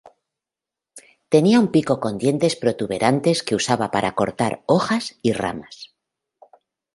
Tenía un pico con dientes protuberantes que usaba para cortar hojas y ramas.